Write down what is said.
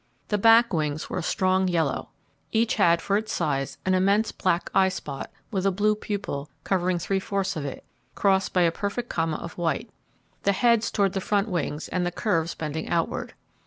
The back wings were a strong yellow. Each had, for its size, an immense black eye spot, with a blue pupil covering three fourths of it, crossed by a perfect comma of white, the heads toward the front wings and the curves bending outward.